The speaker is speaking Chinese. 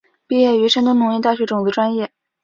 毕业于山东农业大学种子专业。